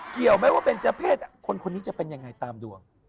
เกี่ยวไหมว่าเป็นเจ้าเพศคนนี้จะเป็นยังไงตามดวง